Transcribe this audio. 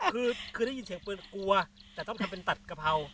คือได้ยินเสียงปืนกลัวแต่ต้องทำเป็นตัดกะเพรา